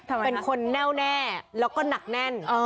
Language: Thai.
เป็นคนแน่วแน่แล้วก็หนักแน่น